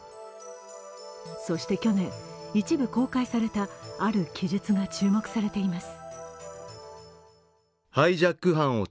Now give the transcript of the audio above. そして去年、一部公開されたある記述が注目されています。